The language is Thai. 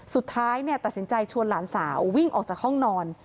สุดท้ายตัดสินใจชวนหลานสาววิ่งออกจากห้องนอน